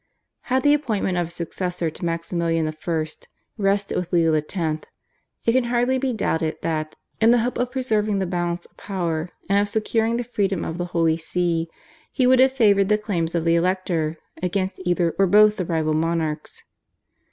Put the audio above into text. Had the appointment of a successor to Maximilian I. rested with Leo X. it can hardly be doubted that, in the hope of preserving the balance of power and of securing the freedom of the Holy See, he would have favoured the claims of the Elector against either or both the rival monarchs.